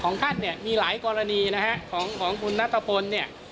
ของท่านมีหลายกรณีของคุณนัตตะพล